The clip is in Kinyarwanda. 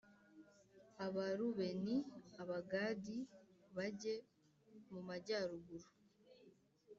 Abarubeni Abagadi bajye mumajyaruguru